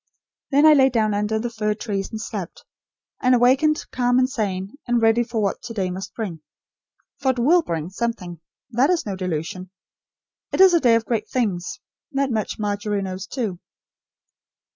Then I lay down under the fir trees and slept; and awakened calm and sane, and ready for what to day must bring. For it WILL bring something. That is no delusion. It is a day of great things. That much, Margery knows, too."